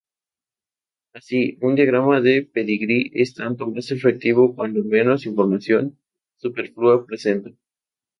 Así, un diagrama de pedigrí es tanto más efectivo cuanto menos información superflua presenta.